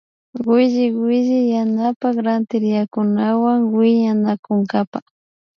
Williwilli yanapan rantiriakkunawan willanakunkapa